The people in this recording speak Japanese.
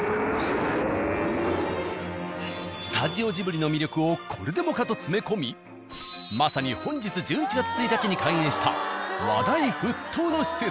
スタジオジブリの魅力をこれでもかと詰め込みまさに本日１１月１日に開園した話題沸騰の施設。